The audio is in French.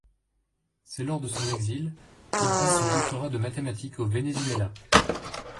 C'est lors de son exil, qu'il passe son doctorat de mathématiques au Venezuela.